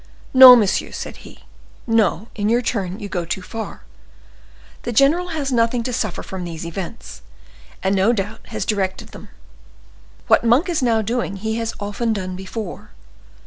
"No, monsieur," said he, "no; in your turn you go too far. The general has nothing to suffer from these events, and, no doubt, has directed them. What Monk is now doing he has often done before.